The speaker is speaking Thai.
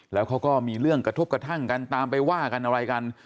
แล้วเขาก็มีเรื่องกระทบกระทั่งกันตามไปว่ากันอะไรกัน